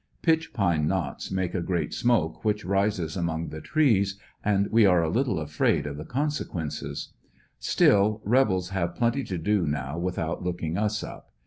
Pitch pine knots make a great smoke wiiich rises among the trees and we are a little afraid of the consequences ; still, rebels have plenty to do now without looking us up.